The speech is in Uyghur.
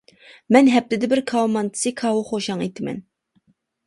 مەن ھەپتىدە بىر كاۋا مانتىسى، كاۋا خوشاڭ ئىتىمەن.